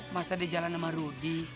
masa dia jalan sama rudy